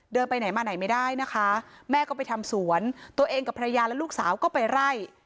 ไปไหนมาไหนไม่ได้นะคะแม่ก็ไปทำสวนตัวเองกับภรรยาและลูกสาวก็ไปไล่